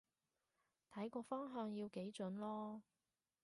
睇個方向要幾準囉